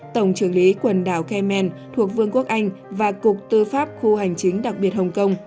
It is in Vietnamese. tổng trưởng lý quần đảo kemen thuộc vương quốc anh và cục tư pháp khu hành chính đặc biệt hồng kông